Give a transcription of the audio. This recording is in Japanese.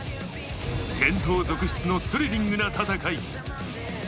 転倒続出のスリリングな戦い。